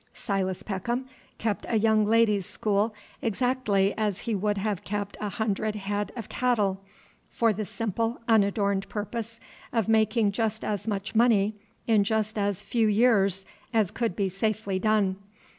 Silas Peckham kept a young ladies' school exactly as he would have kept a hundred head of cattle, for the simple, unadorned purpose of making just as much money in just as few years as could be safely done.